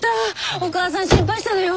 お母さん心配したのよ。